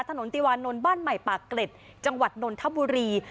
ติวานนท์บ้านใหม่ปากเกร็ดจังหวัดนนทบุรี